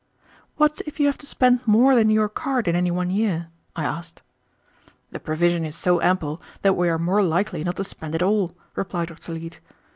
"What if you have to spend more than your card in any one year?" I asked. "The provision is so ample that we are more likely not to spend it all," replied Dr. Leete.